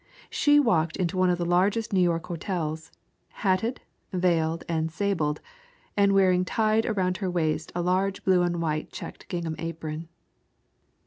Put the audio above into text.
She walked into one of the largest of the New York hotels, hatted, veiled and sable ed, and wearing tied around her waist a large blue and white checked gingham apron.